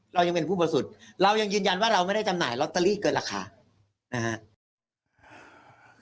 เรายังยืนยันว่าเราไม่ได้จำหน่ายล็อตเตอรี่เกินราคานะฮะ